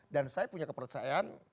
dan saya punya kepercayaan